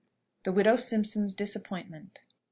THE WIDOW SIMPSON'S DISAPPOINTMENT.